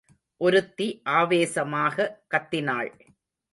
ஒருத்தி ஆவேசமாக கத்தினாள்.